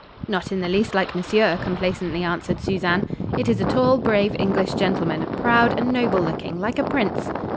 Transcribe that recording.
"Not in the least like monsieur," complacently answered Susanne. "It is a tall, brave English gentleman, proud and noble looking like a prince."